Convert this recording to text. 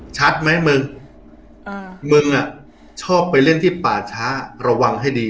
ชัดไหมมึงมึงอ่ะชอบไปเล่นที่ป่าช้าระวังให้ดี